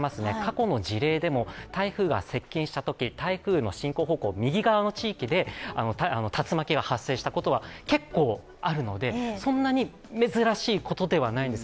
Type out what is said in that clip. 過去の事例でも、台風が接近したとき台風の進行方向右側の地域で竜巻が発生したことは結構あるので、そんなに珍しいことではないんです